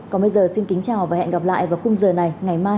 còn bây giờ xin kính chào và hẹn gặp lại vào khung giờ này ngày mai